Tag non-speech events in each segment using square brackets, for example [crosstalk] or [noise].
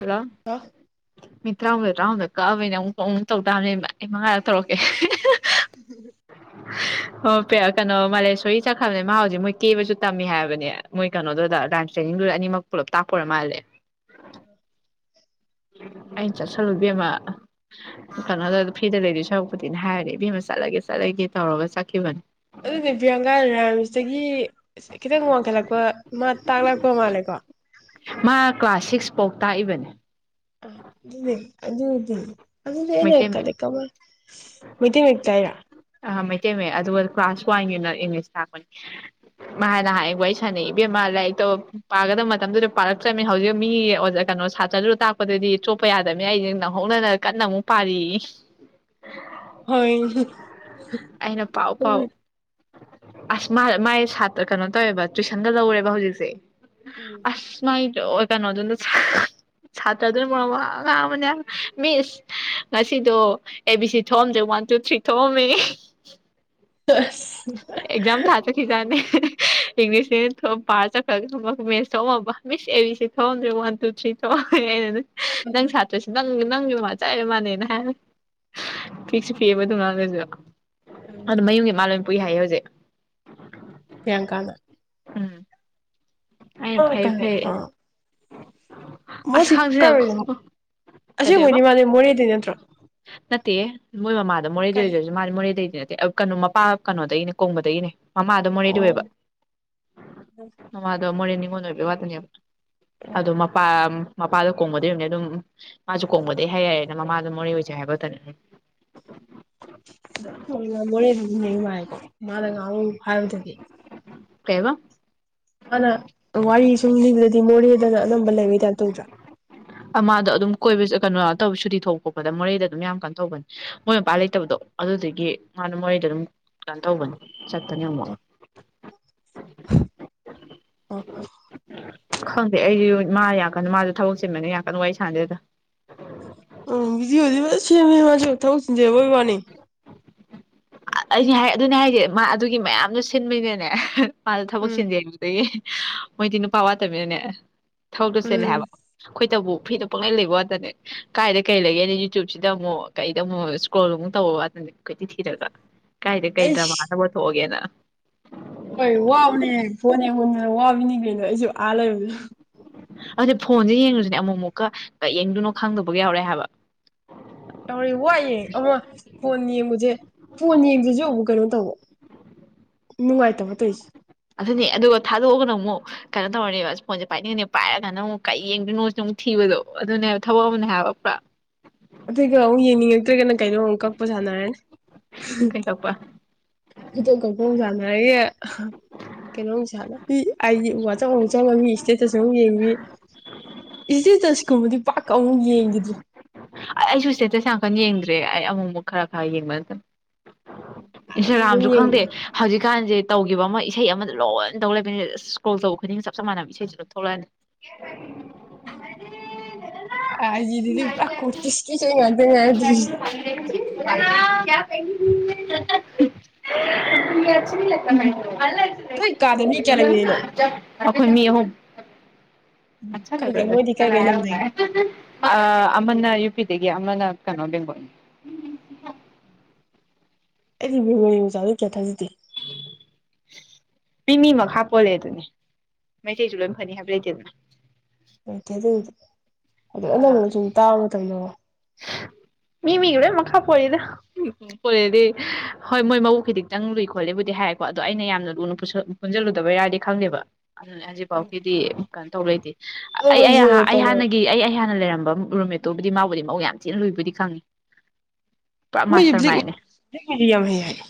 Hello. ꯃꯤ ꯇꯔꯥꯍꯨꯝꯗ ꯇꯔꯥꯍꯨꯝꯗ ꯀꯛꯑꯕꯅ ꯑꯃꯨꯛ ꯇꯧ ꯑꯃꯨꯛ ꯇꯧ ꯇꯥꯕꯅꯦꯕ ꯑꯩ ꯃꯉꯥꯔꯛ ꯇꯧꯔꯛꯀꯦ ꯍꯍꯝ ꯑꯣ ꯄꯦ ꯑ ꯀꯩꯅꯣ ꯃꯥꯜꯂꯦ ꯁꯣꯔꯤ ꯆꯠꯈ꯭ꯔꯕꯅꯦ ꯃꯥ ꯍꯧꯖꯤꯛ ꯃꯣꯏ ꯀꯦꯕꯁꯨ ꯇꯝꯃꯤ ꯍꯥꯏꯕꯅꯦ ꯃꯣꯏ ꯀꯩꯅꯣꯗꯨꯗ ꯂꯥꯏꯝꯁ ꯇ꯭ꯔꯦꯅꯤꯡꯗꯨꯗ ꯑꯅꯤꯃꯛ ꯄꯨꯂꯞ ꯇꯥꯛꯄ ꯑꯣꯏꯔ ꯃꯥꯜꯂꯦ [inaudible] ꯑꯩꯅ ꯆꯠꯁꯜꯂꯨ ꯏꯕꯦꯝꯃ ꯀꯩꯅꯣꯗ ꯐꯤꯗ ꯂꯩꯗꯣꯏ ꯁꯔꯛꯄꯨꯗꯤꯅ ꯍꯥꯏꯔꯗꯤ ꯏꯕꯦꯝꯃ ꯆꯠꯂꯒꯦ-ꯆꯠꯂꯒꯦ ꯇꯧꯔꯒ ꯆꯠꯈꯤꯕꯅꯤ꯫ ꯑꯗꯨꯅꯦ ꯄꯤꯌꯟꯀꯥ ꯔꯥꯏꯝꯁ ꯇꯥꯒꯤ ꯏꯁ ꯈꯤꯇꯪ ꯋꯥꯡꯈꯠꯂꯛꯄ ꯑꯃ ꯇꯥꯛꯂꯛꯄ ꯃꯥꯜꯂꯦꯀꯣ꯫ ꯄꯥꯎ ꯇꯥꯛꯏꯕꯅꯦ꯫ ꯑ ꯗꯨꯅꯦ ꯑꯗꯨꯗꯤ ꯑꯗꯨꯗꯤ ꯑꯩꯅ ꯃꯩꯇꯩ ꯃꯌꯦꯛ ꯀꯗꯩ ꯀꯃꯥꯏ ꯃꯩꯇꯩ ꯃꯌꯦꯛ ꯇꯥꯛꯏꯔꯣ꯫ ꯇꯩ ꯃꯌꯦꯛ ꯑꯗꯨꯒ ꯀ꯭ꯂꯥꯁ ꯋꯥꯟꯒꯤ ꯅ ꯏꯪꯂꯤꯁ ꯇꯥꯛꯄꯅꯤ ꯃꯥꯅ ꯅꯍꯥꯟ ꯑꯩ ꯁꯥꯟꯅꯩ ꯏꯕꯦꯝꯃ ꯂꯥꯏꯔꯤꯛꯇꯣ ꯄꯥꯒꯗꯕ ꯃꯇꯝꯗꯨꯗ ꯄꯥꯔꯛꯇꯕꯅꯤꯅ ꯍꯧꯖꯤꯛ ꯃꯤ ꯀꯩꯅꯣ ꯁꯥꯇ꯭ꯔꯗꯨꯗ ꯇꯥꯛꯄꯗꯨꯗꯤ ꯆꯣꯞꯄ ꯌꯥꯗꯕꯅꯤ ꯑꯩꯁ ꯅꯧꯍꯧꯅ ꯀꯟꯅ ꯑꯃꯨꯛ ꯄꯥꯔꯤꯌꯦ ꯍꯣꯏꯅꯦ ꯍ ꯑꯩꯅ ꯄꯥꯎ ꯍ ꯄꯥꯎ ꯑꯁ ꯃꯥ ꯃꯥꯏ ꯁꯥꯇ꯭ꯔ ꯀꯩꯅꯣ ꯇꯧꯋꯦꯕ ꯇꯨꯋꯏꯁꯟꯒ ꯂꯧꯋꯦꯕ ꯍꯧꯖꯤꯛꯁꯦ ꯑꯁ ꯃꯥꯏ ꯑꯣ ꯀꯩꯅꯣꯗꯨꯅ ꯁꯥꯇ꯭ꯔꯗꯨꯅ ꯃꯔꯣꯜ ꯑꯃ ꯑꯉꯥꯡ ꯑꯃꯅꯦ ꯃꯤꯁ ꯉꯁꯤꯗꯣ ꯑꯦ ꯕꯤ ꯁꯤ ꯊꯣꯛꯑꯝꯗ꯭ꯔꯦ ꯋꯥꯟ ꯇꯨ ꯊ꯭ꯔꯤ ꯊꯣꯛꯑꯝꯃꯤꯌꯦ ꯍꯤꯍꯤꯍꯤ ꯑꯁ ꯑꯦꯛꯖꯥꯝ ꯊꯥ ꯆꯠꯈꯤꯖꯥꯠꯅꯤ꯫ ꯏꯪꯂꯤꯁ ꯅꯦꯅ ꯊꯣ ꯄꯥꯔ ꯆꯠꯈ꯭ꯔꯒ ꯁꯣꯝꯒ ꯃꯦꯁ ꯊꯣꯛꯑꯝꯃꯕ ꯃꯤꯁ ꯑꯦ ꯕꯤ ꯁꯤ ꯊꯣꯛꯑꯝꯗ꯭ꯔꯦ ꯋꯥꯟ ꯇꯨ ꯊ꯭ꯔꯤ ꯊꯣꯛꯑꯝꯃꯦ ꯑꯩꯅꯅꯦ ꯅꯪ ꯁꯥꯇ꯭ꯔꯁꯨ ꯅꯪ ꯅꯪ ꯃ ꯆꯥꯛꯏꯃꯥꯟꯅꯦ ꯅ ꯍꯥꯏ ꯄꯤꯛꯁꯨ ꯄꯤꯛꯑꯦꯕ ꯑꯗꯨꯏ ꯑꯉꯥꯡꯗꯨꯁꯨ ꯑꯗꯨ ꯃꯌꯨꯝꯒꯤ ꯃꯥ ꯂꯣ ꯄꯨꯏ ꯍꯥꯏꯌꯦ ꯍꯧꯖꯤꯛ ꯄꯤꯌꯥꯡꯀꯥꯗ ꯎꯝ ꯑꯩꯅ ꯑ ꯐꯩ ꯀꯩꯅꯣ ꯐꯩ ꯑꯥ ꯑꯁ ꯈꯪꯁꯤꯅ ꯃꯣꯁꯤꯇꯔꯖꯦ ꯑꯁꯦꯡꯕꯩꯗꯤ ꯃꯥꯗꯤ ꯃꯣꯔꯦꯗꯩ ꯅꯠꯇ꯭ꯔꯣ ꯅꯠꯇꯦꯍꯦ ꯃꯣꯏ ꯃꯃꯥꯗ ꯃꯣꯔꯦꯗ ꯀꯥꯏ ꯑꯣꯏꯔꯁꯨ ꯃꯥꯗꯤ ꯃꯣꯔꯦꯗꯩꯗꯤ ꯅꯠ ꯇꯦ ꯑ ꯀꯩꯅꯣ ꯃꯄꯥ ꯀꯅꯣꯗꯩꯅꯤ ꯀꯣꯡꯕꯗꯒꯤꯅꯦ꯫ ꯃꯥꯃꯥ ꯗꯣ ꯃꯣꯔꯦꯗꯩ ꯑꯣ ꯑꯣꯏꯕ ꯃꯃꯥ ꯗꯣ ꯃꯣꯔꯦ ꯅꯤꯉꯣꯟ ꯑꯣꯏꯕꯩ ꯋꯥꯗꯅꯦꯕ ꯑꯗꯣ ꯃꯄꯥ ꯃꯄꯥꯗꯣ ꯀꯣꯡꯕꯗꯩ ꯑꯣꯏꯕꯅꯤꯅ ꯑꯗꯨꯝ ꯃꯥꯁꯨ ꯀꯣꯡꯕꯗꯩ ꯍꯥꯏ ꯌꯥꯔꯦꯅ ꯃꯃꯥꯗꯣ ꯃꯣꯔꯦ ꯑꯣꯏꯖꯩ ꯍꯥꯏꯕꯇꯅꯤ ꯑꯥ ꯃꯣꯔꯦꯗꯒꯤ ꯂꯩ ꯃꯥꯜꯂꯦꯀꯣ ꯃꯥꯅ ꯉꯥꯡꯉꯨ ꯍꯥꯏꯕꯗꯗꯤ ꯀꯩꯕꯥ ꯃꯥꯅ ꯋꯥꯔꯤ ꯁꯨꯝ ꯂꯤꯕꯗꯗꯤ ꯃꯣꯔꯦꯗꯅ ꯑꯅꯝꯕ ꯂꯩꯕꯩ ꯇꯥꯏꯞ ꯇꯧꯗ꯭ꯔꯥ ꯑ ꯃꯥꯥꯗꯣ ꯑꯗꯨꯝ ꯀꯣꯏꯕ ꯀꯩꯅꯣ ꯑꯥ ꯇꯧ ꯁꯨꯇꯤ ꯊꯣꯛꯄ ꯈꫭꯠꯄꯗ ꯃꯣꯔꯦꯗ ꯑꯗꯨꯝ ꯌꯥꯝ ꯀꯟ ꯇꯧꯕꯅꯤ ꯃꫭꯏ ꯃꯄꯥ ꯂꯩꯇꯕꯗꯣ ꯑꯗꯨꯗꯒꯤ ꯃꯥꯗꫭ ꯃꯣꯔꯦꯗ ꯑꯗꯨꯝ ꯀꯩꯅꯣ ꯇꯧꯕꯅꯤ ꯆꯠꯄꯅꯤ ꯑꯃꯨꯛ ꯑꯣ ꯈꯪꯗꯦ ꯑꯩꯁꯨ ꯃꯥ ꯌꯥ ꯀꯥꯟ ꯃꯥꯁꯨ ꯊꯕꯛ ꯆꯤꯟꯕꯅꯤ ꯌꯥꯝ ꯀꯟꯅ ꯋꯥꯔꯤ ꯁꯥꯟꯅꯗꯦꯗ ꯎꯝ ꯚꯤꯗꯤꯑꫭꯗꯤ ꯐꯖꯅ ꯁꯦꯝꯃꯦꯍꯦ ꯃꯥꯖꯨ ꯊꯕꯛ ꯆꯤꯟꯖꯩ ꯍꯥꯏꯕꯩ ꯋꯥꯅꯤ ꯑꯩꯗꯤ ꯍꯥꯏ ꯑꯗꯨꯅꯦ ꯍꯥꯏꯁꯦ ꯃꯥ ꯑꯗꯨꯒꯤ ꯃꯌꯥꯝꯗꯣ ꯁꯤꯟꯕ ꯅꯤꯅꯅꯦ ꯃꯥꯁꯨ ꯊꯕꯛ ꯎꯝ ꯁꯤꯟꯖꯦꯡ ꯃꯣꯏꯗꯤ ꯅꯨꯄꯥ ꯋꯥꯠꯇꯝ ꯃꯤꯅꯅꯦ ꯊꯕꯛꯇꯨ ꯆꯦꯜꯂꯦ ꯎꯝ ꯍꯥꯏꯕ ꯑꯩꯈꯣꯏꯇꯕꯨ ꯐꯤꯗ ꯄꯨꯡꯂꯩ ꯂꯩꯕ ꯋꯥꯇꯅꯦ ꯀꯥꯏꯗ ꯀꯩ ꯂꯩꯒꯦꯅ ꯌꯨꯇ꯭ꯌꯨꯨꯞꯁꯤꯗ ꯑꯃꯨꯛ ꯀꯩꯗ ꯑꯃꯨꯛ ꯏꯁꯀ꯭ꯔꯣꯜ ꯑꯃꯨꯛ ꯇꯧꯕ ꯋꯥꯇꯅꯦ ꯀꫭꯏꯊꯤ ꯊꯤꯔꯒ ꯀꯥꯏꯗ ꯀꯩ ꯗ꯭ꯔꯃꯥ ꯑꯩꯁ ꯑꯅꯧꯕ ꯊꫭꯛꯑꯒꯦꯅ ꯍꯣꯏ ꯋꯥꯕꯅꯦꯍꯦ ꯐꯣꯟ ꯌꯦꯡꯃꯟꯗꯅ ꯋꯥꯕꯤꯅꯤ ꯀꯩꯅꯣ ꯗ ꯑꯩꯁꯨ ꯑꯥ ꯂꯩꯕꯗꯨꯗ ꯑꯗꯨꯅꯦ ꯐꯣꯟꯁꯦ ꯌꯦꯡꯂꯁꯨꯅꯦ ꯑꯃꯨꯛ ꯑꯃꯨꯛꯀ ꯀꯩ ꯌꯦꯡꯗꯣꯏꯅꯣ ꯈꯪꯗꯕꯒ ꯌꯥꯎꯔꯛꯑꯦ ꯍꯥꯏꯕ ꯇꯧꯔꯦ ꯋꯥꯏꯌꯦ ꯑꯃ ꯐꯣꯟ ꯌꯦꯡꯕꯖꯦ ꯐꯣꯟ ꯌꯦꯡꯖꯤꯖꯨ ꯑꯃꯨꯛ ꯀꯩꯅꯣ ꯇꯧꯕ ꯅꯨꯡꯉꯥꯏꯇꯕ ꯇꫭꯏꯁꯤ ꯑꯗꯨꯅꯦ ꯑꯗꯨꯒ ꯊꯥꯗꯣꯛꯑꯒꯅ ꯑꯃꯨꯛ ꯀꯩꯅꯣ ꯇꯧꯔꯅꯦꯕ ꯐꯣꯟꯁꯦ ꯄꯥꯏꯅꯤꯡꯉꯅꯦ ꯄꯥꯏꯔꯀꯥꯟꯗ ꯑꯃꯨꯛ ꯀꯩ ꯌꯦꯡꯗꯣꯏꯅꯣꯁꯤꯅ ꯑꯃꯨꯛ ꯊꯤꯕꯗꯣ ꯑꯗꯨꯅꯦꯕ ꯊꯕꯛ ꯑꯃꯅꯦ ꯍꯥꯏꯕ ꯄꯨꯔꯥ ꯀꯩꯅꫭ ꯑꯃꯨꯛ ꯀꯛꯄ ꯁꯥꯟꯅꯔꯅꯤ ꯐꯦꯡꯇꫭꯛꯄ ꯚꯤꯗꯣ ꯀꫭꯜꯗꯨ ꯌꯥꯝ ꯅꯨꯡꯉꯥꯏꯌꯦ ꯀꯩꯅꯣ ꯅꯨꯡꯁꯥꯠꯂ ꯑꯩꯗꯤ ꯋꯥꯠꯆꯞ ꯑꯃꯨꯛ ꯆꯪꯉꯒ ꯃꯤ ꯁꯇꯦꯇꯁ ꯑꯃꯨꯛ ꯌꯦꯡ ꯏꯁꯇꯦꯇꯁꯀꯨꯝꯕꯗꯤ ꯄꯥꯛ‌ ꯑꯃꯨꯛ ꯌꯦꯡꯒꯤꯗ꯭ꯔꯦ ꯑꯩꯁꯨ ꯏꯁꯇꯦꯇꯁ ꯌꯥꯝꯀꯟ ꯌꯦꯡꯗ꯭ꯔꯦ ꯑꯩ ꯑꯃꯨꯛ ꯑꯃꯨꯛ ꯈꯔ ꯈꯔ ꯌꯦꯡꯕ ꯅꯠꯇꯅ ꯍꯥꯟꯅꯗꯤ ꯑꯗꯨꯝ ꯏꯟꯁꯇꯥꯒ꯭ꯔꯥꯝꯁꯨ ꯈꯪꯗꯦ ꯌꯦꯡꯉꯝꯕꯅꯦ ꯍꯧꯖꯤꯛꯀꯥꯟꯁꯦ ꯇꯧꯈꯤꯕ ꯑꯃ ꯏꯁꯩ ꯑꯃꯗ ꯂꯣꯏꯅ ꯇꯧ ꯂꯩꯛꯕꯩꯅꯦ ꯑꯁ ꯏꯁꯀ꯭ꯔꯣꯜ ꯇꯧꯕ ꯈꯨꯗꯤꯡ ꯆꯞ ꯆꯞ ꯃꯥꯟꯅꯕ ꯏꯁꯩꯁꯨ ꯂꫭꯏ ꯊꯣꯛꯂꯛꯑꯅꯤ ꯑꯥꯏ ꯖꯤ ꯗꯗꯤ ꯄꯨꯔꯥ ꯀꯨꯔꯇꯤꯁꯀꯤ ꯏꯁꯩ ꯉꯥꯛꯇ ꯉꯥꯏꯗꫭꯏꯁꯤ [inaudible] [inaudible] ꯅꯣꯏ ꯀꯥꯗ ꯃꯤ ꯀꯌꯥ ꯂꯩꯃꯤꯟꯅꯩꯅꯣ ꯑꯩꯈꯣꯏ ꯃꯤ ꯑꯍꯨꯝ ꯀꯩ ꯀꯩ ꯃꯣꯏꯗꯤ ꯀꯩ ꯀꯩ ꯂꯝꯗꯒꯤ ꯑ ꯑꯃꯅ ꯌꯨ ꯄꯤ ꯑꯗꯒꯤ ꯑꯃꯅ ꯀꯩꯅꯣ ꯕꯦꯡꯒꯣꯜꯅꯤ ꯑꯩꯗꯤ ꯕꯦꯡꯒꫭꯜꯂꯤ ꯃꯆꯥꯖꯦ ꯀꯌꯥ ꯊꯥꯖꯗꯦ ꯃꯤꯃꯤ ꯃꯈꯥ ꯄꫭꯜꯂꯦ ꯑꯗꯨꯗꯤ ꯃꯩꯇꯩꯖꯖ ꯂꯣꯏꯅ ꯐꯅꯤ ꯍꯥꯏꯕ ꯂꯩꯇꯦꯗꯅ ꯂꯩꯇꯦ ꯑꯗꯨꯒꯤꯗꯤ ꯑꯗꯨ ꯑꯅꯧꯕꯅ ꯁꯨꯝ ꯇꯥꯕ ꯃꯇꯝꯗ ꯀꯣ ꯃꯤ ꯃꯤꯒꯤ ꯂꯣꯏ ꯃꯈꯥ ꯄꯣꯜꯂꯤꯗ ꯄꯣꯂꯦꯗꯤ ꯍꯣꯏ ꯃꯣꯏ ꯃꯕꯨꯛ ꯈꯤꯇꯪ ꯂꯨꯏ ꯈꯣꯠꯂꯦꯕꯨꯗꯤ ꯍꯥꯏꯀꯣ ꯑꯗꯣ ꯑꯩꯅ ꯌꯥꯝꯅ ꯂꯨꯅ ꯄꯨꯟꯁꯤꯜꯂꯨꯗꯕꯒꯤꯔꯗꯤ ꯈꯪꯗꯦꯕ ꯑꯗꯨꯅꯦ ꯍꯧꯖꯤꯛꯐꯥꯎꯒꯤꯗꯤ ꯀꯩꯅꯣ ꯇꯧ ꯂꯩꯇꯦ ꯑꯗꯣ ꯑꯩ ꯃꯣꯏꯁꯦ ꯑꯩ ꯀꯩꯅꯣ ꯍꯥꯟꯅꯒꯤ ꯑꯩ ꯑꯩ ꯍꯥꯟꯅ ꯑꯩꯅ ꯂꯩꯔꯝꯕ ꯔꯨꯝꯃꯦꯇꯨꯕꯨꯗꯤ ꯃꯥꯕꯨꯗꯤ ꯃꯕꯨꯛ ꯌꯥꯝ ꯊꯤꯅ ꯂꯨꯏꯕꯨꯗꯤ ꯈꯪꯉꯤ ꯄꯨꯔꯥ ꯃꯣꯏꯗꯤ ꯃꯥꯁꯇꯔ ꯗ꯭ꯔꯤꯡ ꯃꯥꯏꯟꯅꯦ ꯗ꯭ꯔꯤꯡ ꯒꯩꯁꯦ ꯌꯥꯝ ꯍꯩ ꯍꯥꯢꯌꯦ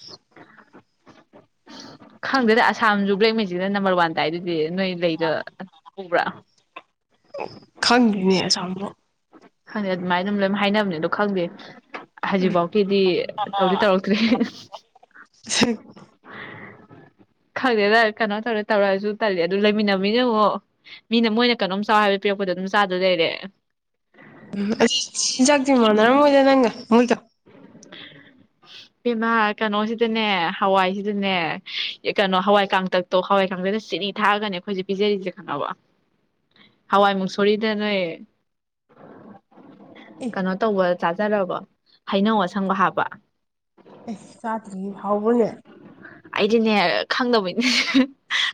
ꯈꯪꯗꯦꯗ ꯑꯁꯥꯝꯁꯨ ꯕ꯭ꯂꯦꯛ ꯃꯦꯖꯤꯛꯅ ꯅꯝꯕꯔ ꯋꯥꯟꯗ ꯇꯥꯢꯗꯨꯗꯤ ꯅꯣꯏ ꯂꯩꯗ ꯎꯕ꯭ꯔꯥ ꯈꯪꯗꯦꯅꯦ ꯑꯁꯥꯝꯕꯨ ꯍꯥꯉꯦꯟ ꯑꯗꯨꯃꯥꯏꯅ ꯗꯨꯝ ꯂꯣꯏꯅ ꯍꯥꯏꯅꯕꯅꯦ ꯑꯗꯣ ꯈꯪꯗꯦ ꯍꯧꯖꯤꯛꯐꯥꯎꯀꯤꯗꯤ ꯇꯧꯗꯤ ꯇꯧꯔꯛꯇ꯭ꯔꯤ ꯈꯪꯗꯦꯗ ꯀꯩꯅꯣ ꯇꯧꯔ ꯇꯧꯔꯛꯑꯁꯨ ꯇꯜꯂꯤ ꯑꯗꯨ ꯂꯩꯃꯤꯟꯅꯃꯤꯅ ꯑꯃꯨꯛ ꯃꯤꯅ ꯃꯣꯏꯅ ꯀꯩꯅꯣꯝ ꯆꯥꯎ ꯍꯥꯏꯕ ꯄꯤꯔꯛꯄꯗꯣ ꯑꯗꯨꯝ ꯆꯥꯗꯧ ꯂꯩꯔꯦ ꯎꯝ ꯑꯩꯁ ꯆꯤꯟꯖꯥꯛꯇꯤ ꯃꯥꯟꯅꯔꯝ ꯃꯣꯏꯗ ꯅꯪꯒ ꯃꯣꯏꯒ ꯢꯕꯦꯝꯃ ꯀꯩꯅꯣꯁꯤꯗꯅꯦ ꯍꯋꯥꯏꯁꯤꯗꯅꯦ ꯀꯩꯅꯣ ꯍꯋꯥꯏ ꯀꯥꯡꯇꯛꯇꯣ ꯍꯋꯥꯏ ꯀꯥꯡꯇꯛꯅ ꯆꯤꯅꯤ ꯊꯥꯛꯑꯒꯅꯦ ꯑꯈꯣꯏꯁꯦ ꯄꯤꯖꯔꯤꯁꯦ ꯈꯪꯉꯕꯣ ꯍꯋꯥꯏꯃꯨꯁꯣꯔꯤꯗꯅꯦ ꯑꯦ ꯀꯩꯅꯣ ꯇꯧꯕ ꯆꯥꯖꯔꯕꯣ ꯍꯩꯅꯧ ꯁꯪꯕ ꯍꯥꯄ ꯑꯦꯁ ꯆꯥꯇ꯭ꯔꯤ ꯍꯥꯎꯕꯅꯦ ꯑꯩꯗꯤꯅꯦ ꯈꯪꯗꯕꯩꯅꯦ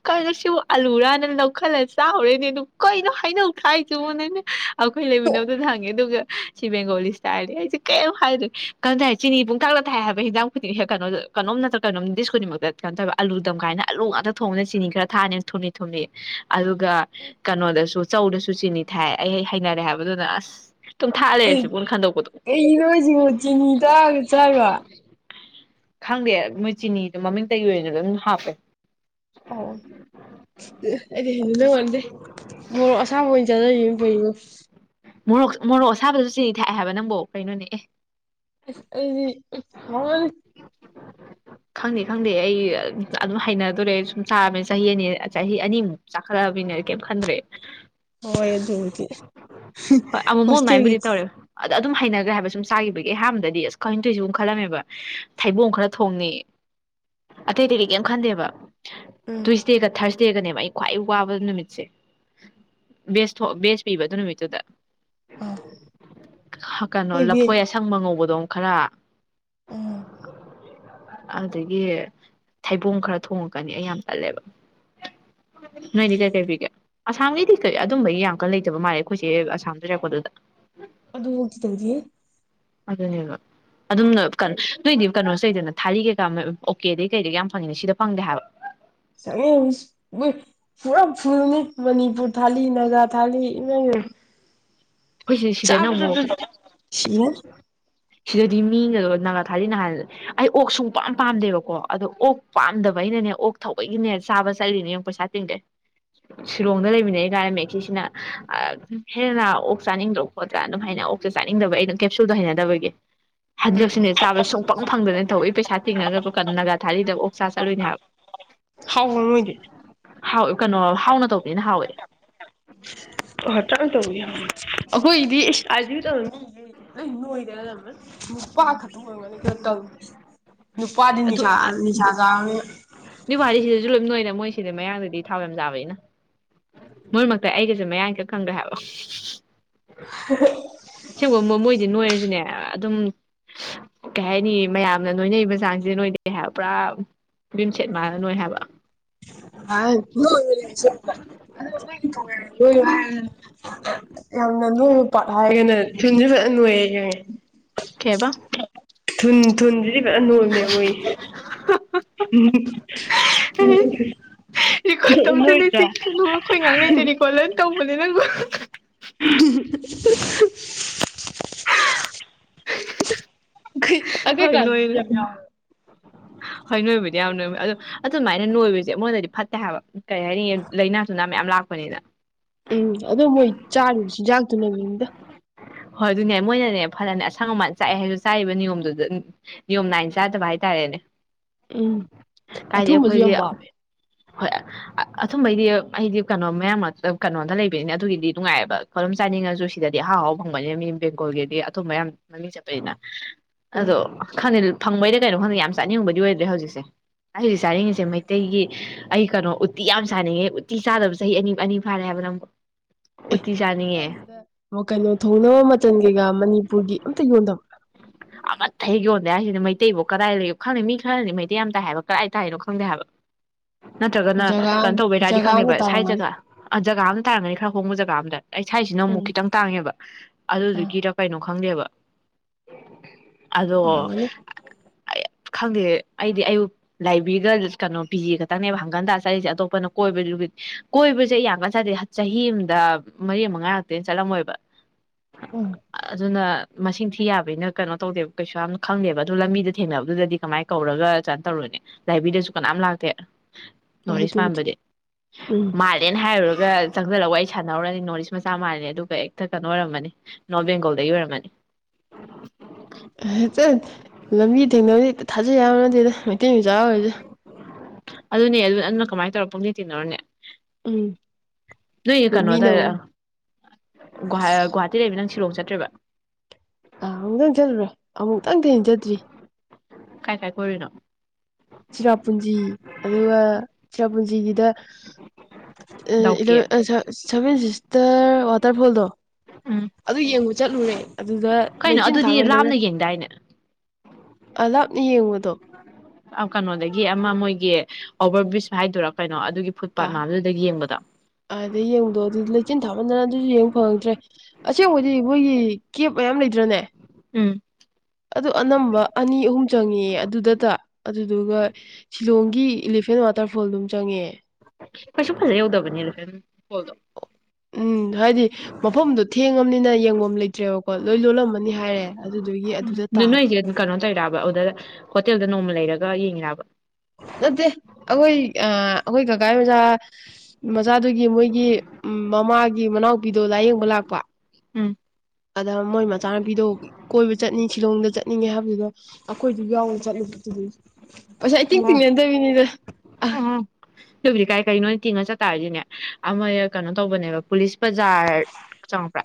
ꯀꯣ ꯁꯤꯕꯨ ꯑꯂꯨꯔꯅ ꯂꯧꯈꯠꯂ ꯆꯥꯎꯔꯦꯅꯦ ꯑꯗꯨ ꯀꯩꯅꯣ ꯍꯩꯅꯧ ꯊꯥꯏꯁꯤꯕꯨ ꯅꯅꯦ ꯑꯈꯣꯏ ꯂꯩꯃꯤꯟꯅꯕꯗꯨꯗ ꯍꯪꯉꯦ ꯑꯗꯨꯒ ꯁꯤ ꯕꯦꯡꯒꯣꯂꯤ ꯍꯥꯢꯅꯦ ꯑꯩꯁꯦ ꯀꯩꯝ ꯍꯥꯏꯗ꯭ꯔꯦ ꯀꯩꯅꯣ ꯇꯥꯏ ꯆꯤꯅꯤ ꯄꯨꯡꯇꯥꯛꯇ ꯊꯥꯏ ꯍꯥꯏꯕ ꯍꯤꯟꯖꯥꯡ ꯈꯨꯗꯤꯡ ꯀꯩꯅꯣꯗ ꯀꯩꯅꯣꯝ ꯅꯠꯇ꯭ꯔ ꯀꯣꯝ ꯗꯤꯁ ꯈꯨꯗꯤꯡꯃꯛꯇ ꯀꯩꯅꯣ ꯇꯧꯋꯦ ꯑꯥꯂꯨ ꯗꯝ ꯀꯥꯏꯅ ꯑꯂꯨ ꯉꯥꯛꯇ ꯊꯣꯡꯕꯅ ꯆꯤꯅꯤ ꯈꯔ ꯊꯥꯅꯤꯅ ꯊꯨꯝꯂꯤ ꯊꯨꯝꯂꯤ ꯑꯗꯨꯒ ꯀꯩꯅꯣꯗꯁꯨ ꯆꯧꯗꯁꯨ ꯆꯤꯅꯤ ꯊꯥꯛꯑꯦ ꯑꯩ ꯍꯩꯅꯔꯦ ꯍꯥꯏꯕꯗꯨꯅ ꯑꯁ ꯑꯗꯨꯝ ꯊꯥ ꯎꯝ ꯂꯩꯔꯁꯤꯕꯨꯅ ꯈꯟꯗꯣꯛꯄꯗꯣ ꯀꯩꯅꯣ ꯍꯥꯢꯁꯤꯕꯣ ꯆꯤꯅꯤ ꯉꯔꯥꯡ ꯆꯥꯛꯂꯣ ꯈꯪꯗꯦ ꯃꯣꯏ ꯆꯤꯅꯤꯗꯣ ꯃꯃꯤꯡꯇꯒꯤ ꯑꯣꯏꯅ ꯑꯗꯨꯝ ꯍꯥꯞꯄꯦ ꯑꯣ ꯑꯩꯗꯤ ꯍꯩꯅꯗꯧ ꯃꯥꯟꯗꯦ ꯃꯣꯔꯣꯛ ꯑꯁꯥꯕ ꯑꯣꯏꯅ ꯆꯥꯖꯒꯤ ꯐꯩꯕꯣ ꯃꯣꯔꯣꯛ ꯃꯣꯔꯣꯛ ꯑꯁꯥꯕꯗꯨ ꯆꯤꯅꯤ ꯊꯥꯛꯑꯦ ꯍꯥꯏꯕ ꯅꯪꯕꯨ ꯀꯩꯅꯣꯅꯦ ꯑꯦ ꯑꯁ ꯑꯩꯗꯤ ꯍꯥꯎꯔꯅꯤ ꯈꯪꯗꯦ ꯈꯪꯗꯦ ꯑꯩ ꯑꯗꯨꯝ ꯍꯩꯅꯗꯣꯔꯦ ꯁꯨꯝ ꯆꯥꯕꯅꯤ ꯆꯍꯤ ꯑꯅꯤ ꯆꯍꯤ ꯑꯅꯤꯃꯨꯛ ꯆꯥꯈꯠꯂꯛꯑꯕꯅꯤꯅ ꯀꯩꯝ ꯈꯟꯗ꯭ꯔꯦ ꯍꯣꯢ ꯑꯗꯨꯕꯨꯗꯤ ꯍꯣꯢ ꯑꯃꯨꯃꯨꯛ ꯍꯣꯁꯇꯦꯜꯒꯤ ꯑꯃꯥꯏꯅꯕꯨꯗꯤ ꯇꯧꯋꯦ ꯑ ꯑꯗꯨꯝ ꯍꯩꯅꯈ꯭ꯔꯦ ꯍꯥꯏꯕ ꯁꯨꯝ ꯆꯥꯈꯤꯕꯒꯤ ꯑꯍꯥꯟꯕꯗꯗꯤ ꯀꯩꯅꯣ ꯇꯧꯔꯤꯁꯤꯕꯣ ꯈꯜꯂꯝꯃꯦꯕ ꯊꯩꯕꯣꯡ ꯈꯔ ꯊꯣꯡꯉꯦ ꯑꯇꯩ ꯑꯇꯩ ꯀꯩ ꯀꯔꯤꯝ ꯈꯟꯗꯦꯕ ꯎꯝ ꯇ꯭ꯋꯨꯢꯁꯗꯦꯒ ꯊꯔꯁ ꯗꯦꯒꯅꯦꯕ ꯑꯩ ꯈ꯭ꯋꯥꯏ ꯋꯥꯕ ꯅꯨꯃꯤꯠꯁꯦ ꯕꯦꯁ ꯕꯦꯁ ꯄꯤꯌꯦꯕ ꯑꯗꯨ ꯅꯨꯃꯤꯠꯇꯨꯗ [unintelligible] ꯑꯥ ꯀꯩꯅꯣ ꯑꯩꯈꯣꯏꯒꯤ ꯂꯐꯣꯏ ꯑꯁꯪꯕ ꯉꯧꯕꯗꯣ ꯈꯔ ꯎꯝ ꯑꯗꯨꯗꯒꯤ ꯊꯩꯕꯣꯡ ꯈꯔ ꯊꯣꯡꯉꯛꯀꯅꯤ ꯑꯩ ꯌꯥꯝ ꯇꯜꯂꯦꯕ ꯅꯣꯏꯗꯤ ꯀꯩ ꯀꯩ ꯄꯤꯒꯦ ꯑꯁꯥꯝꯒꯤꯗꯤ ꯀꯩ ꯑꯗꯨꯝꯕꯒꯤ ꯌꯥꯝ ꯀꯟ ꯂꯩꯇꯕ ꯃꯥꯜꯂꯦ ꯑꯁꯝꯔꯀꯣ ꯑꯗꯨ ꯑꯗꯨꯗ ꯍꯣꯇꯗꯗꯤꯌꯦꯦ ꯑꯗꯨꯗꯅꯦꯕ ꯑꯗꯨꯝ ꯀꯣ ꯑꯗꯨꯏꯗꯤ ꯀꯩꯅꯣꯁꯩꯗꯅ ꯊꯥꯔꯤ ꯀꯩꯀꯥ ꯑꯣꯀꯦꯗꯩ ꯀꯩꯗꯩ ꯌꯥꯝ ꯐꯪꯉꯤꯅꯦ ꯁꯤꯗ ꯐꯪꯗꯦ ꯍꯥꯏꯕ ꯁꯉ ꯄꯨꯔꯥ ꯐꯅꯤ ꯃꯅꯤꯄꯨꯔ ꯊꯥ ꯅꯥꯒꯥ ꯊꯥ ꯏꯃ ꯑꯩꯈꯣꯏꯁꯤ ꯁꯤꯗꯅ ꯆꯥꯕ ꯑꯃꯨꯛ ꯁꯤ ꯁꯤꯗꯗꯤ ꯃꯤꯅꯗꯣ ꯅꯥꯒꯥ ꯊꯥꯂꯤ ꯅꯍꯥꯟ ꯑꯩ ꯑꯣꯛ ꯁꯨꯡ ꯄꯥꯝ ꯄꯥꯝꯗꯦꯕꯀꯣ ꯑꯗꯣ ꯑꯣꯛ ꯄꯥꯝꯗꯕ ꯑꯩꯅꯅꯦ ꯑꯣꯛ ꯊꯧꯕꯒꯤꯅꯦ ꯆꯥꯕ ꯆꯠꯂꯤꯅꯦ ꯌꯦꯡꯉ ꯄꯩꯁꯥ ꯇꯤꯡꯗꯦ ꯁꯤꯂꯣꯡꯗ ꯂꯩꯃꯤꯟꯅꯩ ꯀꯥꯏꯔꯝꯃꯦ ꯁꯤꯁꯤꯅ ꯍꯦꯟꯅ ꯑꯣꯛ ꯆꯥꯅꯤꯡꯗ꯭ꯔꯣ ꯈꯣꯠꯇ꯭ꯔꯥ ꯑꯗꯨꯝ ꯍꯥꯏꯅ ꯑꯣꯛꯇ ꯆꯥꯅꯤꯡꯗꯕ ꯑꯩꯅ ꯀꯦꯞꯁꯨꯜꯗꯣ ꯍꯩꯅꯗꯕꯒꯤ ꯍꯟꯗꯛꯁꯤꯅ ꯆꯥꯕꯗ ꯁꯨꯡꯄꯪ ꯐꯪꯗꯅ ꯇꯧꯋꯤ ꯄꯩꯁꯥ ꯇꯤꯡꯉꯒ ꯅꯥꯒꯥ ꯊꯥꯔꯤꯗ ꯑꯣꯛ ꯆꯥ ꯆꯠꯂꯨꯅꯦ ꯍꯥꯏꯕ ꯍꯥꯎꯕ ꯃꯣꯏꯗꯤ ꯍꯥꯎ ꯀꯩꯅꯣ ꯍꯥꯎꯅ ꯇꯧꯕꯅꯤꯅ ꯍꯥꯎꯋꯦ ꯍꯇꯥ ꯇꯧꯧꯕ ꯌꯥꯝ ꯑꯈꯣꯏꯗꯤ ꯑꯕꯨ ꯇꯧꯅ ꯅ ꯅꯣꯏꯗ ꯅꯨꯄꯥ ꯈꯛꯇ ꯑꯣꯏꯔꯝꯒꯅꯤ ꯀꯩꯅꯣ ꯇꯧ ꯅꯨꯄꯥꯗꯤ ꯑꯗꯨ ꯅꯤꯁꯥ ꯅꯤꯁꯥ ꯆꯥꯔꯅꯤ ꯅꯣꯏꯅ ꯃꯣꯏꯁꯤꯗꯤ ꯃꯌꯥꯡꯗꯗꯤ ꯊꯥꯎ ꯌꯥꯝ ꯆꯥꯕꯅꯤꯅ ꯃꯣꯏ ꯃꯔꯛꯇ ꯑꯩꯒꯁꯦ ꯃꯌꯥꯡ ꯈꯛ ꯈꯪꯗ꯭ꯔꯦ ꯍꯥꯏꯕ ꯁꯤ ꯨꯝꯕ ꯃꯣꯏꯗꯤ ꯅꯣꯏꯔꯁꯨꯅꯦ ꯑꯗꯨꯝ ꯀꯩ ꯍꯥꯏꯅꯤ ꯃꯌꯥꯝꯅ ꯅꯣꯏꯅꯔꯤꯕ ꯆꯥꯡꯁꯤꯦ ꯅꯣꯏꯗꯦ ꯍꯥꯏꯕ ꯄꯨꯔꯥ ꯌꯝ ꯁꯦꯠ ꯃꯥꯥꯟꯂ ꯅꯣꯏ ꯍꯥꯏꯕ ꯑ [unintelligible] ꯌꯥꯝꯟꯅ ꯄꯥꯒꯅꯦ ꯅꯨꯡꯌꯦꯦ ꯌꯥꯏꯦ ꯀꯩꯕ ꯊꯨꯟ ꯊꯨꯟꯁꯤꯗꯤ ꯐꯖ ꯅꯣꯝꯅꯦ ꯃꯣꯏ ꯎꯝ ꯇꯧꯗꯗꯤ ꯁꯤ ꯑꯩꯈꯣꯏ ꯉꯥꯡꯅꯖꯔꯤꯀꯣꯣꯏ ꯍꯅꯤ ꯅꯪ ꯀꯣ ꯑ ꯍꯣꯏ ꯀ꯭ꯂꯥꯁꯣ ꯅꯣꯏ ꯍꯣꯏ ꯅꯣꯏꯕꯨꯗꯤ ꯌꯥꯝ ꯅꯣꯏꯃꯦ ꯑ ꯑꯗꯨꯃꯥꯏꯅ ꯅꯣꯏꯕꯁꯦ ꯑꯩꯉꯣꯟꯗꯗꯤ ꯐꯠꯇꯦ ꯍꯥꯏꯕ ꯀꯩ ꯍꯥꯏꯅꯤ ꯂꯥꯏꯅꯥꯁꯨ ꯅꯥ ꯃ ꯌꯥꯝ ꯂꯥꯛꯄꯅꯤꯅ ꯎꯝ ꯑꯗꯨꯣ ꯃꯣꯏ ꯆꯥꯔꯤꯕ ꯆꯤꯟꯖꯥꯛ ꯅ ꯑꯗꯨꯗ ꯍꯣꯏ ꯑꯗꯨꯅꯦ ꯃꯣꯏꯅꯅꯦ ꯐꯅꯅꯦ ꯑꯁꯪ ꯑꯃꯥꯟ ꯆꯥꯛꯑꯦ ꯍꯥꯏꯁꯨ ꯆꯥꯔꯤꯕ ꯅꯤꯌꯣꯝꯗꯨꯗ ꯅꯤꯌꯣꯝ ꯅꯥꯏꯅ ꯆꯥꯗꯕ ꯍꯥꯏꯇꯥꯔꯦꯅꯦ ꯎꯝ ꯀꯥꯏꯗꯤ ꯑꯊꯨꯝꯕꯁꯨ ꯑꯩꯈꯣꯏꯗꯤ ꯌꯥꯝ ꯄꯥꯝꯃꯦ ꯍꯣꯏ ꯑꯊꯨꯝꯝꯕꯩꯗꯤ ꯑꯩꯗꯤ ꯀꯩꯅꯣ ꯃꯌꯥꯝ ꯀꯩꯅꯣꯝꯗ ꯂꯩꯕꯅꯤꯅ ꯑꯗꯨꯒꯤꯗꯤ ꯅꯨꯡꯉꯥꯏꯌꯦꯕ ꯆꯥꯅꯤꯡꯉꯁꯨ ꯁꯤꯗꯗꯤ ꯑꯍꯥꯎ ꯍꯥꯎ ꯐꯪꯕꯅꯤꯅ ꯃꯤ ꯕꯦꯡꯒꯣꯜꯒꯤꯗꯤ ꯑꯊꯨꯝꯕ ꯌꯥꯝ ꯃꯃꯤꯡ ꯆꯠꯄꯅꯤꯅ ꯑꯥ ꯑꯗꯣ ꯈꯅꯦꯜ ꯐꯪꯕꯩꯗ ꯀꯩꯅꯣ ꯈꯪꯗꯦ ꯌꯥꯝ ꯆꯥꯅꯤꯡꯕꯗꯤ ꯑꯣꯏꯗ꯭ꯔꯦ ꯍꯧꯖꯤꯛꯁꯦ ꯑꯩ ꯍꯧꯖꯤꯛ ꯆꯥꯅꯤꯡꯉꯤꯁꯦ ꯃꯩꯇꯩꯒꯤ ꯑꯩ ꯀꯩꯅꯣ ꯎꯇꯤ ꯌꯥꯝ ꯆꯥꯅꯤꯡꯉꯦ ꯎꯇꯤ ꯆꯥꯗꯕ ꯆꯍꯤ ꯑꯅꯤ ꯑꯅꯤ ꯐꯥꯔꯦ ꯍꯥꯏꯕ ꯅꯪꯕꯨꯣ ꯎꯠꯇꯤ ꯆꯥꯅꯤꯡꯉꯦ ꯑꯣ ꯀꯩꯅꯣ ꯊꯣꯡꯅꯕ ꯃꯆꯜ ꯀꯩꯀꯥ ꯃꯅꯤꯄꯨꯔꯒꯤ ꯑꯝꯇ ꯌꯣꯟꯗꯕ [unintelligible] ꯑꯃꯠꯇ ꯌꯣꯟꯗꯦ ꯍꯥꯏꯁꯤꯗꯤ ꯃꯩꯇꯩꯕꯨꯣ ꯀꯗꯥꯏ ꯂꯩꯣ ꯈꯪꯗꯦ ꯃꯤ ꯈꯔꯗꯤ ꯃꯩꯇꯩ ꯌꯥꯝ ꯇꯥꯏ ꯍꯥꯏꯕ ꯀꯗꯥꯏ ꯇꯥꯏꯅꯣ ꯈꯪꯗꯦ ꯍꯥꯏꯕ ꯅꯠꯇ꯭ꯔꯒꯅ ꯖꯒꯥ ꯀꯩꯅꯣ ꯇꯧꯕꯦ ꯇꯔꯗꯤ ꯖꯒꯥ ꯑꯃ ꯈꯪꯗꯦꯕ ꯁꯥꯏꯖ ꯇꯥꯔꯝꯒꯅꯤ ꯖꯒꯥ ꯖꯒꯥ ꯑꯃꯝꯗ ꯇꯥꯔꯝꯒꯅꯤ ꯈꯔ ꯍꯣꯡꯕ ꯖꯒꯥ ꯑꯝꯗ ꯑꯩ ꯁꯥꯏꯖꯁꯤꯅ ꯑꯃꯨꯛ ꯎꯝ ꯈꯤꯇꯪ ꯇꯥꯡꯉꯦꯕ ꯑꯥ ꯑꯗꯨꯗꯨꯒꯤꯔ ꯀꯩꯅꯣ ꯈꯪꯗꯦꯕ ꯎ ꯑꯗꯣ ꯑꯣꯏꯔꯝꯒꯅꯤ ꯑꯩ ꯈꯪꯗꯦ ꯑꯩꯗꯤ ꯑꯌꯨꯛ ꯂꯥꯏꯕ꯭ꯔꯦꯔꯤꯗ ꯀꯩꯅꯣ ꯄꯤꯖꯤꯦ ꯈꯛꯇꯪꯅꯦꯕ ꯍꯪꯒꯟ ꯇ ꯆꯠꯂꯤꯁꯦ ꯑꯇꯣꯞꯄꯅ ꯀꯣꯏꯕ ꯀꯣꯏꯕꯁꯦ ꯌꯥꯝ ꯀꯟꯅ ꯆꯗꯦ ꯆꯍꯤ ꯑꯃꯗ ꯃꯔꯤ ꯃꯉꯥ ꯉꯛꯇꯅ ꯆꯠꯂꯝꯃꯣꯏꯕ ꯎꯝ ꯑꯗꯨꯅ ꯃꯁꯤꯡ ꯊꯤ ꯌꯥꯕꯒꯤꯅ ꯀꯩꯅꯣ ꯇꯧꯗꯦꯕ ꯀꯩꯁꯨ ꯌꯥꯝ ꯈꯪꯗꯦꯕ ꯑꯗꯨ ꯂꯝꯕꯤꯗ ꯊꯦꯡꯅꯕꯗꯨꯗꯗꯤ ꯀꯃꯥꯏꯅ ꯀꯧꯔꯒ ꯆꯥꯅ ꯇꯧꯔꯣꯏꯅꯦ ꯂꯥꯏꯕꯤꯗꯁꯨ ꯀꯅꯥꯝ ꯂꯥꯛꯇꯦ ꯍꯣꯏ ꯅꯣꯔꯠ ꯏꯁ ꯑꯗꯨꯕꯨꯗꯤ ꯄꯗꯤ ꯎꯝ ꯃꯥꯜꯂꯦꯅ ꯍꯥꯏꯔꯨꯔ ꯆꯪꯁꯤꯜꯂꯛꯒ ꯑꯩ ꯁꯥꯟꯅꯍꯔꯨꯔꯅꯤ ꯅꯣꯔꯠ ꯏꯁ ꯃꯆꯥ ꯃꯥꯜꯂꯅꯤ ꯑꯗꯨꯒ ꯍꯛꯇ ꯀꯩꯅꯣ ꯑꯣꯏꯔꯝꯃꯅꯤ ꯅꯣꯔꯠ ꯕꯦꯡꯒꯣꯜꯗꯒꯤ ꯑꯣꯏꯔꯝꯃꯅꯤ ꯆꯠ ꯂꯝꯕꯤ ꯊꯦꯡꯅꯕꯗꯤ ꯊꯥꯖ ꯌꯥꯎ ꯅꯗꯦꯗ ꯃꯩꯇꯩ ꯃꯆꯥꯥ ꯑꯣꯏꯔꯁꯦ ꯑꯗꯨꯅꯦ ꯑꯗꯨ ꯑꯗꯨꯅ ꯀꯃꯥꯏꯅ ꯇꯧꯔ ꯄꯨꯡꯗꯤ ꯇꯤꯟꯅꯔꯨꯅꯦ ꯑꯝ ꯅ ꯀꯩꯅꯣꯗꯍꯒꯨꯋꯥꯍꯥꯇꯤ ꯂꯩꯕꯤ ꯅ ꯁꯤꯂꯣꯡ ꯆꯠꯇ꯭ꯔꯦꯕ ꯑꯥ ꯑꯃꯨꯛꯇꯪ ꯆꯠꯂꯨꯔꯣ ꯑꯃꯨꯛꯇꯪꯗꯤ ꯍꯪꯖꯗ꯭ꯔꯤ ꯀꯥꯏ ꯀꯥꯏ ꯀꯔꯤꯅ ꯆꯤꯔꯥꯄꯨꯟꯖꯤ ꯑꯗꯨꯒ ꯆꯤꯔꯥꯄꯨꯟꯖꯤꯒꯤꯗ ꯗꯥꯎꯀꯤ ꯂ ꯁꯚꯦꯟ ꯁꯤꯁꯇꯔ ꯋꯥꯇꯔꯐꯣꯜꯗꯣ ꯎꯝ ꯑꯗꯨ ꯌꯦꯡꯕ ꯆꯠꯂꯨꯔꯦ ꯑꯗꯨꯗ ꯀꯩꯅꯣ ꯂꯩꯆꯤꯟ ꯑꯗꯨꯗꯤ ꯊꯥꯡꯃꯟꯗꯅ ꯂꯥꯞꯅ ꯌꯦꯡꯗꯥꯏꯅꯦ ꯑ ꯂꯥꯞꯅ ꯌꯦꯡꯕꯗꯣ ꯀꯩꯅꯣꯗꯒꯤ ꯑꯃ ꯃꯣꯏꯒꯤ ꯑꯣꯚꯔ ꯕ꯭ꯔꯤꯖ ꯍꯥꯏꯗꯣꯔꯛꯄꯅꯤ ꯑꯥ ꯑꯥꯗꯩ ꯌꯦꯡꯗꯣ ꯑꯗꯨ ꯂꯩꯆꯤꯟ ꯊꯥꯃꯟꯗꯅ ꯑꯗꯨꯁꯨ ꯌꯦꯡꯕ ꯐꯪꯉꯗ꯭ꯔꯦ ꯑꯁꯦꯡꯕꯗꯤ ꯃꯣꯏꯒꯤ ꯀꯦꯞ ꯃꯌꯥꯝ ꯂꯩꯗ꯭ꯔꯅꯦ ꯎꯝ ꯑꯗꯨ ꯑꯅꯝꯕ ꯑꯅꯤ ꯑꯍꯨꯝ ꯆꯪꯉ ꯑꯗꯨꯗꯇ ꯑꯗꯨꯗꯨꯒ ꯁꯤꯂꯣꯡꯒꯤ ꯏꯂꯤꯐꯦꯟ ꯋꯥꯇꯔꯐꯣꯜ ꯑꯗꯨꯝ ꯆꯪꯉꯦ ꯀꯩꯁꯁꯨ ꯐꯖꯦ ꯌꯥꯎꯗꯕꯅꯤꯔꯣ ꯎꯝ ꯍꯥꯏꯗꯤ ꯃꯐꯝꯗꯨꯣ ꯊꯦꯡꯉꯕꯅꯤꯅ ꯌꯦꯡꯒꯣꯝ ꯂꯩꯇ ꯆꯠꯇ꯭ꯔꯦꯕꯀꯣ ꯂꯣꯏ ꯂꯣꯜꯂꯝꯃꯅꯤ ꯍꯥꯏꯔꯦ ꯑꯗꯨꯗꯨꯒꯤ ꯑꯗꯨꯗ ꯑꯗꯨ ꯇꯥꯕ ꯅꯣꯏꯁꯦ ꯑꯗꯨꯝ ꯀꯩꯅꯣ ꯇꯧꯔꯤꯔꯕ ꯑꯗꯨꯗ ꯍꯣꯇꯦꯜꯗ ꯅꯣꯡꯃ ꯂꯩꯔꯒ ꯌꯦꯡꯤꯕ ꯅꯠꯇꯦ ꯑꯩꯈꯣꯏ ꯑ ꯑꯩꯈꯣꯏ ꯒꯒꯥꯏ ꯃꯆꯥꯥ ꯃꯆꯥꯗꯨꯒꯤ ꯃꯣꯏꯒꯤ ꯃꯃꯥꯒꯤ ꯃꯅꯥꯎꯄꯤꯗꯣ ꯂꯥꯏꯌꯦꯡꯕ ꯂꯥꯛꯄ ꯎꯝ ꯑꯗ ꯃꯣꯏ ꯃꯆꯥꯅꯨꯄꯤꯗ ꯀꯣꯏꯕ ꯆꯠꯅꯤꯡꯤ ꯁꯤꯂꯣꯡꯗ ꯆꯠꯅꯤꯡꯉꯦ ꯍꯥꯏꯕꯗꯨꯗꯣ ꯑꯩꯈꯣꯏꯗꯨ ꯌꯥꯎꯅ ꯆꯠꯂꯨꯕ ꯑꯣ ꯎꯝ ꯎꯝ ꯑꯗꯨꯕꯨꯗꯤ ꯀꯥꯏ ꯀꯅꯣꯅ ꯇꯤꯡꯉ ꯆꯠꯇꯥꯔꯗꯤꯅꯦ ꯑꯃ ꯀꯩꯅꯣ ꯇꯧꯕꯅꯦꯕ ꯄꯨꯂꯤꯁ ꯕꯖꯥꯔ ꯆꯪꯉꯛꯄ꯭ꯔꯥ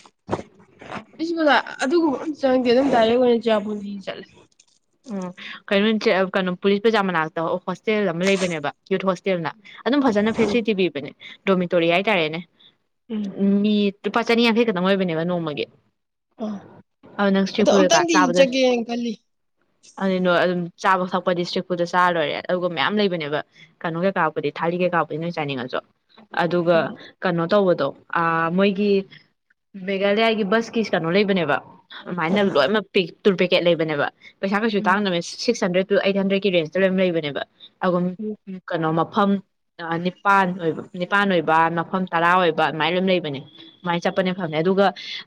ꯕꯨꯖ ꯑꯗꯨꯒꯨꯝꯕ ꯆꯪꯗꯦ ꯑꯗꯨꯝ ꯗꯥꯏꯔꯦꯛ ꯑꯣꯏꯅ ꯆꯌꯥꯄꯨꯗꯤ ꯆꯠꯂꯦ ꯎ ꯀꯩꯅꯣ ꯀꯩꯅꯣ ꯄꯨꯂꯤꯁ ꯄ꯭ꯔꯖꯥ ꯃꯅꯥꯛꯇ ꯍꯣꯁꯇꯦꯜ ꯑꯃ ꯂꯩꯕꯅꯦꯕ ꯌꯨꯠ ꯍꯣꯁꯇꯦꯜꯅ ꯑꯗꯨꯝ ꯐꯖꯅ ꯐꯦꯁꯤꯂꯤꯇꯤ ꯄꯤꯕꯅꯦ ꯗꯣꯃꯤꯇꯣꯔꯤꯌꯥ ꯍꯥꯏ ꯇꯥꯔꯦꯅꯦ ꯎꯝ ꯃꯤ ꯂꯨꯄꯥ ꯆꯅꯤ ꯌꯥꯡꯈꯩ ꯈꯛꯇꯪ ꯑꯣꯏꯕꯅꯦꯕ ꯅꯣꯡꯃꯒꯤ ꯑ ꯑꯗꯨ ꯅꯪ ꯏꯁꯇ꯭ꯔꯤꯠ ꯑꯗꯣ ꯑꯝꯇꯪꯗꯤ ꯏꯖꯒꯦꯅ ꯈꯜꯂꯤ ꯑꯗꯨ ꯅ ꯑꯗꯨꯝ ꯆꯥꯕ ꯊꯛꯄꯗꯤ ꯏꯁꯇ꯭ꯔꯤꯛꯐꯨꯗ ꯆꯥꯔꯣꯏꯔꯦ ꯑꯗꯨꯒ ꯃꯌꯥꯝ ꯂꯩꯕꯅꯦꯕ ꯀꯩꯅꯣ ꯀꯩꯀꯥꯕꯨꯨꯗꯤ ꯊꯥꯂꯤ ꯀꯩꯀꯥꯕꯨꯨꯗꯤ ꯅꯣꯏ ꯆꯥꯅꯤꯡꯉꯁꯨ ꯑꯗꯨꯒ ꯑꯥ ꯀꯩꯅꯣ ꯇꯧꯕꯗꯣ ꯑ ꯃꯣꯏꯒꯤ ꯃꯦꯘꯥꯂꯌꯥꯒꯤ ꯕꯁꯀꯤ ꯀꯩꯅꯣ ꯂꯩꯕꯅꯦꯕ ꯑꯗꯨꯃꯥꯏꯅ ꯑꯥ ꯂꯣꯏꯅꯃꯛ ꯄꯤ ꯇꯨꯔ ꯄꯦꯀꯦꯠ ꯂꯩꯕꯅꯦꯕ ꯄꯩꯁꯥ ꯀꯩꯁꯨ ꯎꯝ ꯇꯅꯕꯅꯃꯦ ꯁꯤꯛ ꯍꯟꯗ꯭ꯔꯦꯠ ꯇꯨ ꯑꯩꯠ ꯍꯟꯗ꯭ꯔꯦꯗꯀꯤ ꯔꯦꯟꯁꯖꯇ ꯂꯣꯏ ꯂꯩꯕꯅꯦꯕ ꯑꯗꯨꯒꯨꯝꯝ ꯎꯝ ꯀꯩꯅꯣ ꯃꯐꯝ ꯅꯤꯄꯥꯟ ꯑꯣꯏꯕ ꯅꯤꯄꯥꯟ ꯑꯣꯏꯕ ꯃꯐꯝ ꯇꯔꯥ ꯑꯣꯏꯕ ꯑꯗꯨꯃꯥꯏꯅ ꯂꯣꯏꯝ ꯂꯩꯕꯅꯦ ꯑꯗꯨꯃꯥꯏꯅ ꯆꯠꯄꯅꯦ ꯐꯝꯅꯦ ꯑꯗꯨꯒ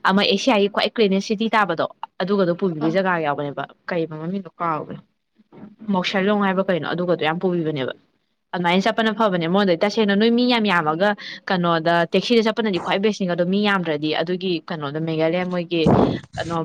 ꯑꯃ ꯑꯦꯁꯤꯌꯥꯒꯤ ꯈ꯭ꯋꯥꯏ ꯀ꯭ꯔꯤꯅꯦꯁ ꯁꯤꯇꯤ ꯇꯥꯕꯗꯣ ꯑꯗꯨꯒꯗꯣ ꯄꯨꯈꯤꯕ ꯑꯥ ꯖꯒꯥ ꯌꯥꯎꯕꯅꯦꯕ ꯀ ꯃꯃꯤꯡꯗꯣ ꯀꯥꯎꯒꯦ ꯃꯧꯁꯔꯂꯣꯡ ꯍꯥꯏꯕ ꯀꯩꯅꯣ ꯑꯗꯨꯒꯗꯣ ꯌꯥꯝ ꯄꯨꯕꯤꯕꯅꯦꯕ ꯑꯗꯨꯃꯥꯏꯅ ꯆꯠꯄꯅ ꯐꯕꯅꯦ ꯃꯉꯣꯟꯗꯗꯤ ꯇꯁꯦꯡꯅ ꯅꯣꯏ ꯃꯤ ꯌꯥꯝ ꯌꯥꯝꯃꯒ ꯀꯩꯅꯣꯗ ꯇꯦꯛꯁꯤꯗ ꯆꯠꯄꯅꯗꯤ ꯈ꯭ꯋꯥꯏ ꯕꯦꯁꯅꯤꯒ ꯑꯗꯣ ꯃꯤ ꯌꯥꯝꯗ꯭ꯔꯗꯤ ꯑꯗꯨꯒꯤ ꯀꯩꯅꯣꯗ ꯃꯦꯘꯂꯌꯥ ꯃꯣꯏꯒꯤ ꯀꯩꯅꯣ